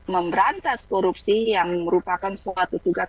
memberantas korupsi yang merupakan suatu tugas